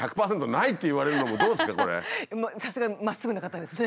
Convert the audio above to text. さすがまっすぐな方ですね。